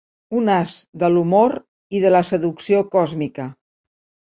Un as de l'humor i de la seducció còsmica.